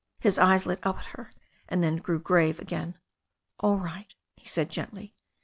His eyes lit up at her and then grew grave again. "All right," he said gently.